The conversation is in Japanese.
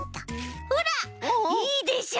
ほらいいでしょ？